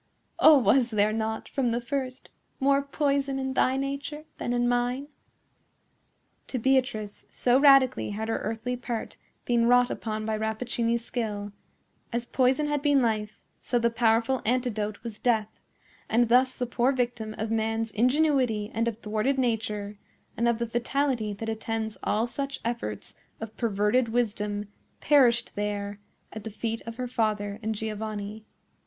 Oh, was there not, from the first, more poison in thy nature than in mine?" To Beatrice,—so radically had her earthly part been wrought upon by Rappaccini's skill,—as poison had been life, so the powerful antidote was death; and thus the poor victim of man's ingenuity and of thwarted nature, and of the fatality that attends all such efforts of perverted wisdom, perished there, at the feet of her father and Giovanni.